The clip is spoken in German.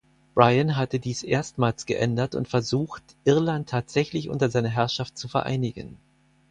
Brian hatte dies erstmals geändert und versucht, Irland tatsächlich unter seiner Herrschaft zu vereinigen.